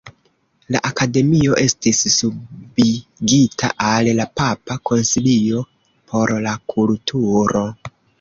La Akademio estis subigita al la Papa Konsilio por la Kulturo.